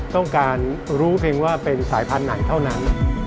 ต้องการรู้เพียงว่าเป็นสายพันธุ์ไหนเท่านั้น